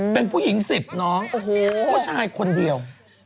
เป็นผู้หญิง๑๐น้องผู้ชายคนเดียว